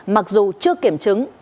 mặc dù chưa kiểm chứng